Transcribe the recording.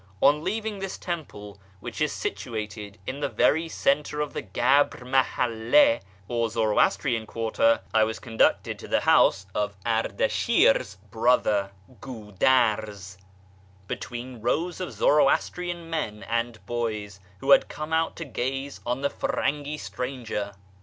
On leaving this temple, whicli is situated in the very centre of the " Gabr Mahcdla" or Zoroastrian quarter, I was conducted to the house of Ardashir's brother, Giidarz, between rows of Zoroastrian men and boys who had come out to gaze on the Firangi stranger.